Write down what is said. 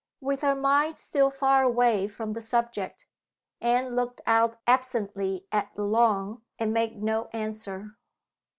With her mind still far away from the subject, Anne looked out absently at the lawn, and made no answer.